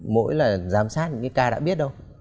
mỗi là giám sát những cái ca đã biết đâu